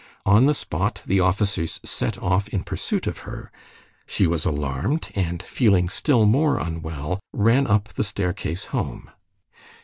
On the spot the officers set off in pursuit of her; she was alarmed, and feeling still more unwell, ran up the staircase home.